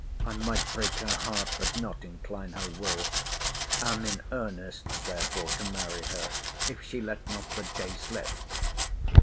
I might break her heart, but not incline her will—am in earnest therefore to marry her, if she let not the day slip.